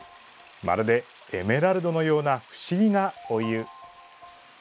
まるで、エメラルドのような不思議なお湯。